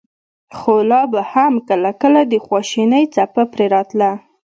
خو لا به هم کله کله د خواشينۍڅپه پرې راتله.